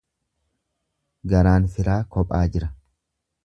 Garaan firaa kophaa jira.